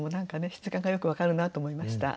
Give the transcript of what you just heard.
質感がよく分かるなと思いました。